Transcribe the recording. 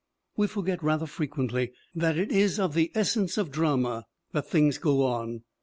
We forget rather frequently that it is of the essence of drama that things go on.